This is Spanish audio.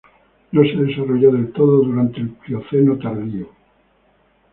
No se desarrolló del todo durante el Plioceno tardío.